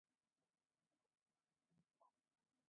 Awkillunchikkuna imapaqpis tupuyuqmi kapaakulqa.